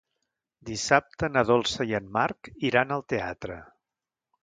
Dissabte na Dolça i en Marc iran al teatre.